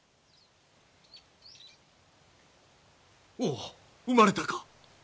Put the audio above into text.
おお生まれたか！